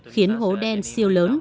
khiến hố đen siêu lớn